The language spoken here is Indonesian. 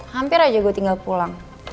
hampir aja gue tinggal pulang